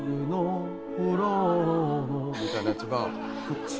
みたいなやつが。